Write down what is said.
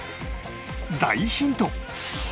大ヒント！